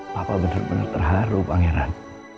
papa benar benar terharu pangeran